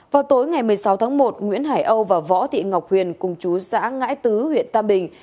vào tối ngày một mươi sáu tháng một nguyễn hải âu và võ thị ngọc huyền cùng chú xã ngãi tứ huyện tam bình